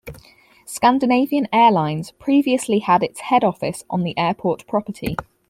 Scandinavian Airlines previously had its head office on the airport property.